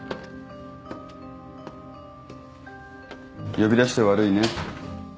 呼び出して悪いね。